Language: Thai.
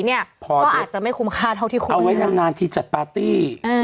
เนี่ยก็อาจจะไม่คุ้มค่าเท่าที่ควรเอาไว้นานนะนานที่จัดปาร์ตี้